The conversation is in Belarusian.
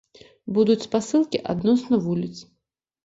Будуць спасылкі адносна вуліц.